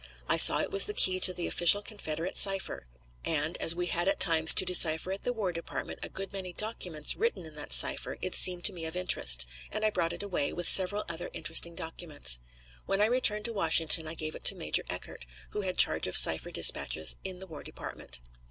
[E] I saw it was the key to the official Confederate cipher, and, as we had at times to decipher at the War Department a good many documents written in that cipher, it seemed to me of interest, and I brought it away, with several other interesting documents. When I returned to Washington I gave it to Major Eckert, who had charge of cipher dispatches in the War Department.